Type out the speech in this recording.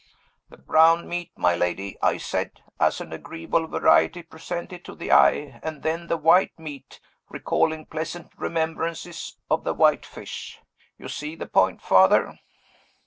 'The brown meat, my lady,' I said, 'as an agreeable variety presented to the eye, and then the white meat, recalling pleasant remembrances of the white fish.' You see the point, Father?"